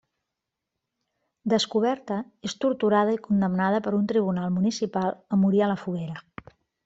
Descoberta, és torturada i condemnada per un tribunal municipal a morir a la foguera.